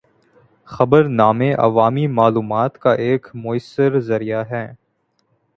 خبرنامے عوامی معلومات کا ایک مؤثر ذریعہ ہیں۔